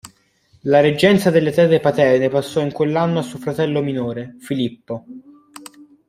La reggenza delle terre paterne passò in quell'anno a suo fratello minore, Filippo.